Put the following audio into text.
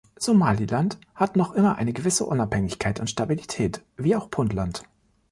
Somaliland hat noch immer eine gewisse Unabhängigkeit und Stabilität, wie auch Puntland.